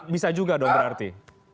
bisa juga dong berarti